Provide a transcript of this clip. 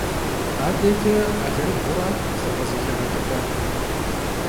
Adeç'e alerıbğurat lh'ığe zexeğeç'ıp'er.